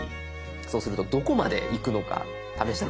そうするとどこまでいくのか試して。